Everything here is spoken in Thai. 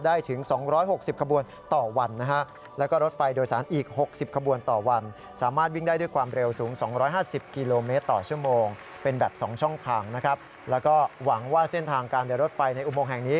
ได้ถึง๒๖๐คบวนต่อวันนะฮะ